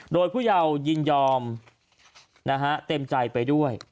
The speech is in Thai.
โดยผู้เยายินยอมเต็มใจไปด้วย